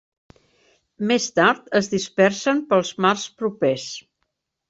Més tard es dispersen pels mars propers.